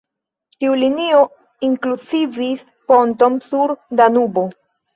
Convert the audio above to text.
Tiu linio inkluzivis ponton sur Danubo.